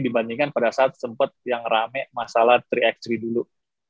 dibandingkan pada saat sempat yang rame masalah tiga x tiga dulu